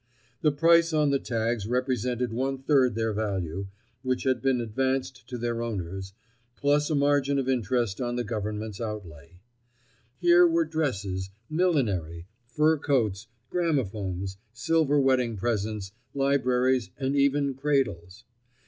The price on the tags represented one third their value, which had been advanced to their owners, plus a margin of interest on the Government's outlay. Here were dresses, millinery, fur coats, gramophones, silver wedding presents, libraries and even cradles.